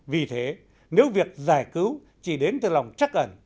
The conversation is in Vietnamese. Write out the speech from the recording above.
vì thế nếu việc giải cứu chỉ đến từ lòng chắc ẩn